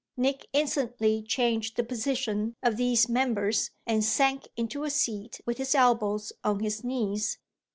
Nick instantly changed the position of these members and sank into a seat with his elbows on his knees.